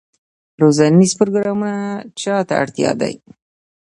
روزنیز پروګرامونه چا ته اړتیا دي؟